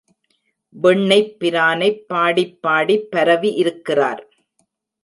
வெண்ணெய்ப் பிரானைப் பாடிப் பாடிப் பரவி இருக்கிறார்.